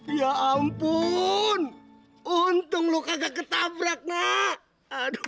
ya ampun untung lu kagak ketabrak nah aduh